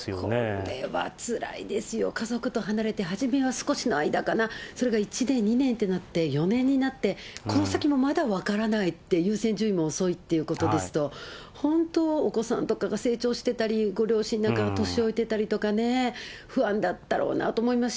これはつらいですよ、家族と離れて、初めは少しの間かな、それが１年、２年ってなって、４年になって、この先もまだ分からないって、優先順位も遅いっていうことですと、本当、お子さんとかが成長してたり、ご両親なんか年老いてたりとかね、不安だったろうなと思います。